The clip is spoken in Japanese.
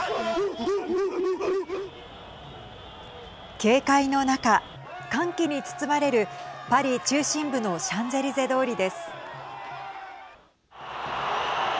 警戒の中歓喜に包まれるパリ中心部のシャンゼリゼ通りです。